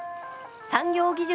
産業技術